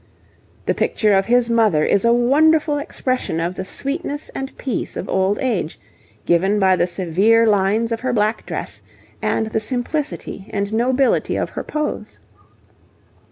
The picture of his mother is a wonderful expression of the sweetness and peace of old age, given by the severe lines of her black dress and the simplicity and nobility of her pose.